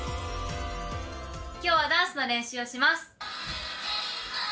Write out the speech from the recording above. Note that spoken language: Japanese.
今日はダンスの練習をします。